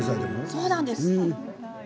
そうなんです。